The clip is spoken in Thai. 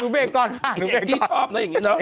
หนูเบรกก่อนค่ะ